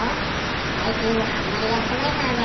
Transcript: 最近あんまりやってないからね。